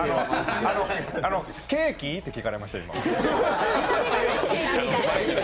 ケーキ？って聞かれました、今。